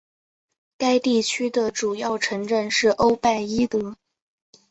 该地区的主要城镇是欧拜伊德。